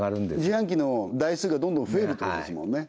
自販機の台数がどんどん増えるってことですもんね